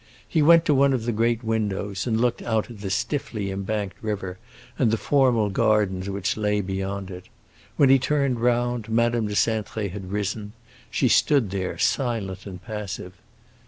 He went to one of the great windows, and looked out at the stiffly embanked river and the formal gardens which lay beyond it. When he turned round, Madame de Cintré had risen; she stood there silent and passive.